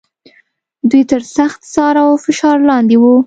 دوی تر سخت څار او فشار لاندې و.